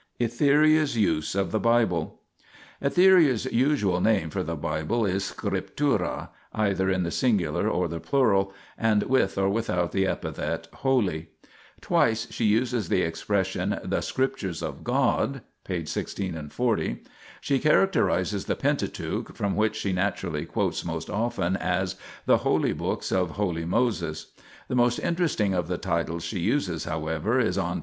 ETHERIA'S USE OF THE BIBLE Etheria's usual name for the Bible is Scriptura (either in the singular or the plural, and with or without the epithet " Holy "). Twice she uses the expression "the Scriptures of God" (pp. 16 and 40). She characterizes the Pentateuch, from which she naturally quotes most often, as "the (holy) books of (holy) Moses." The most interesting of the titles she uses, however, is (on p.